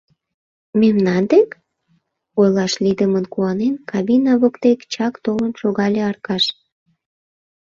Мемнан дек? — ойлаш лийдымын куанен, кабина воктек чак толын шогале Аркаш.